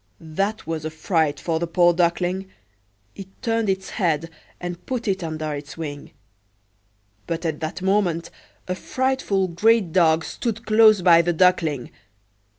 That was a fright for the poor Duckling! It turned its head, and put it under its wing; but at that moment a frightful great dog stood close by the Duckling.